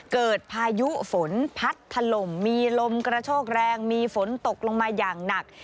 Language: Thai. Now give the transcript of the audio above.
พายุฝนพัดถล่มมีลมกระโชกแรงมีฝนตกลงมาอย่างหนัก